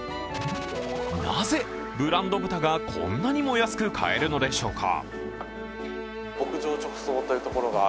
なぜブランド豚がこんなにも安く買えるのでしょうか。